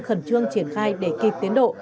khẩn trương triển khai để kịp tiến độ